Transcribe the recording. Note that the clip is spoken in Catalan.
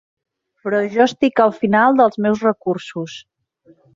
Però jo estic al final dels meus recursos.